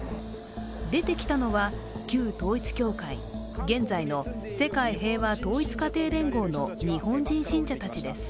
出てきたのは、旧統一教会、現在の世界平和統一家庭連合の日本人信者たちです。